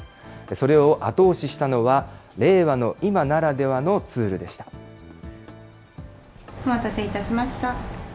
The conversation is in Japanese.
それを後押ししたのは、令和の今お待たせいたしました。